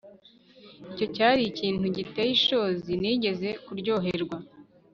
Icyo cyari ikintu giteye ishozi nigeze kuryoherwa